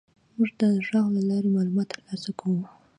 موږ د غږ له لارې معلومات تر لاسه کوو.